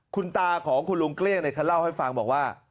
คุณตาของคุณลุงเกลี้ยงเขาเล่าให้ฟังบอกว่า